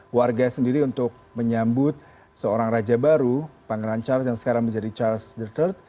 warga sendiri untuk menyambut seorang raja baru pangeran charles yang sekarang menjadi charles deard